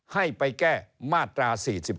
ให้ไปแก้มาตรา๔๔